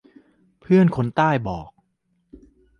เพื่อนคนใต้บอก